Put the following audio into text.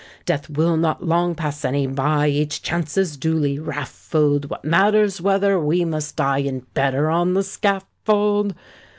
Death will not long pass any by— Each chance is duly raffled; What matters whether we must die In bed or on the scaffold?